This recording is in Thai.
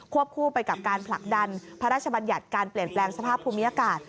คู่ไปกับการผลักดันพระราชบัญญัติการเปลี่ยนแปลงสภาพภูมิอากาศ